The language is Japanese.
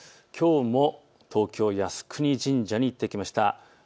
きょうも東京靖国神社に行ってきました。